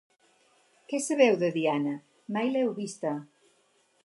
Què sabeu de Diana? Mai l'heu vista.